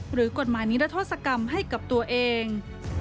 หรือกฎหมายนิรโทษกรรมให้กับตัวเอง